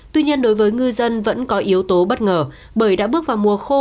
tuy nhiên đối với ngư dân vẫn có yếu tố bất ngờ bởi đã bước vào mùa khô